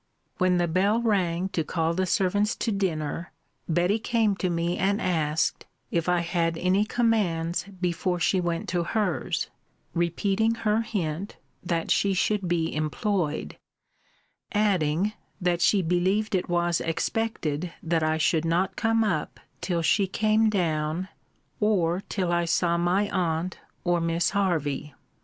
When the bell rang to call the servants to dinner, Betty came to me and asked, if I had any commands before she went to hers; repeating her hint, that she should be employed; adding, that she believed it was expected that I should not come up till she came down, or till I saw my aunt or Miss Hervey.